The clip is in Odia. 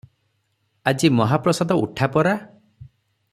ଆଜି ମହାପ୍ରସାଦ ଉଠା ପରା ।